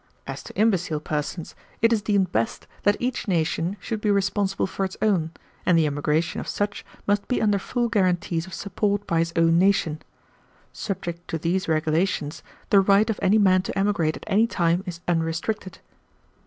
As to imbecile persons, it is deemed best that each nation should be responsible for its own, and the emigration of such must be under full guarantees of support by his own nation. Subject to these regulations, the right of any man to emigrate at any time is unrestricted."